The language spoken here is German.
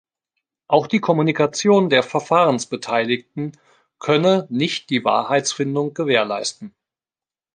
Auch die Kommunikation der Verfahrensbeteiligten könne nicht die Wahrheitsfindung gewährleisten.